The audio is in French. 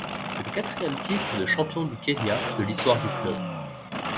C'est le quatrième titre de champion du Kenya de l'histoire du club.